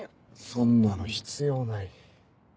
そんなの必要ない。